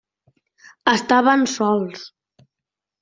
Estaven sols.